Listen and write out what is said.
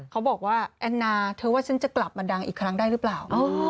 เขาบอกว่าแอนนาเธอว่าฉันจะกลับมาดังอีกครั้งได้หรือเปล่า